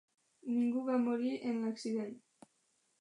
Ningú va morir en l'accident.